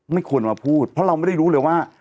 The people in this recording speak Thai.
ไม่ควรมาพูดเพราะเราไม่ได้รู้เลยว่า